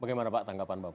bagaimana pak tanggapan